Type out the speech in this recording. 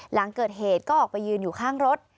หลังเกิดเหตุก็ออกไปยืนอยู่ข้างรถ